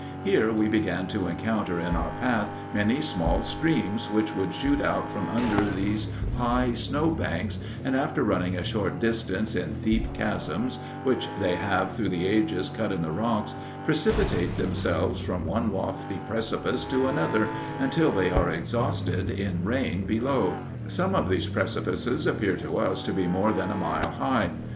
Here we began to encounter in our path many small streams which would shoot out from under these high snow banks, and after running a short distance in deep chasms which they have through the ages cut in the rocks, precipitate themselves from one lofty precipice to another, until they are exhausted in rain below. Some of these precipices appeared to us to be more than a mile high.